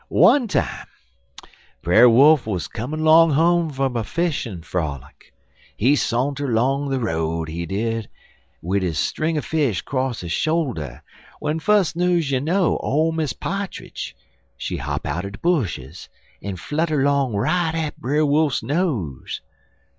One time Brer Wolf wuz comm' long home fum a fishin' frolic. He s'anter long de road, he did, wid his string er fish 'cross his shoulder, w'en fus' news you know ole Miss Pa'tridge, she hop outer de bushes en flutter long right at Brer Wolf nose.